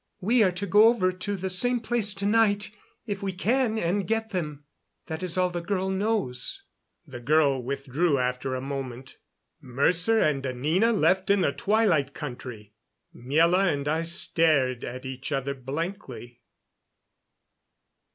We are to go over to the same place to night, if we can, and get them. That is all the girl knows." The girl withdrew after a moment. Mercer and Anina left in the Twilight Country! Miela and I stared at each other blankly.